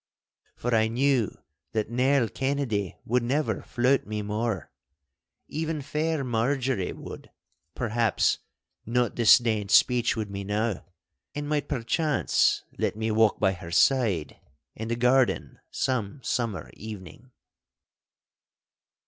For I knew that Nell Kennedy would never flout me more. Even fair Marjorie would, perhaps, not disdain speech with me now, and might perchance let me walk by her side in the garden some summer evening.